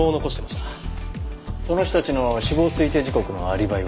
その人たちの死亡推定時刻のアリバイは？